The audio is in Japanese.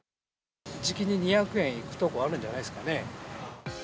じきに２００円いくとこあるんじゃないですかね。